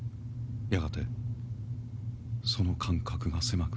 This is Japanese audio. やがてその間隔が狭く。